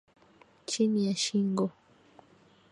chini ya shingo